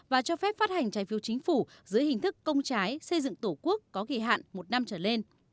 và cho phép phát hành trái phiếu chính phủ dưới hình thức công trái xây dựng tổ quốc có kỳ hạn một năm trở lên